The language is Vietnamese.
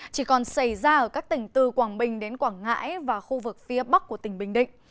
chỉ còn xảy ra ở các tỉnh từ quảng bình đến quảng ngãi và khu vực phía bắc của tỉnh bình định